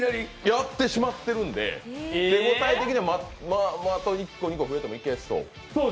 やってしまってるんで手応え的にはあと１個、２個ふえてもいけそう？